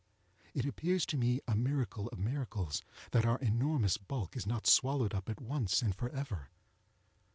It appears to me a miracle of miracles that our enormous bulk is not swallowed up at once and forever.